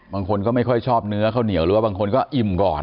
บางคนก็ไม่ค่อยชอบเนื้อข้าวเหนียวหรือว่าบางคนก็อิ่มก่อน